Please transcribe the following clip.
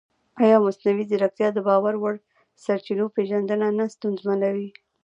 ایا مصنوعي ځیرکتیا د باور وړ سرچینو پېژندنه نه ستونزمنوي؟